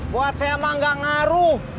buat si emak ga ngaruh